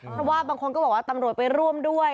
เพราะว่าบางคนก็บอกว่าตำรวจไปร่วมด้วย